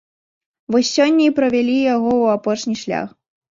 Вось сёння і правялі яго ў апошні шлях.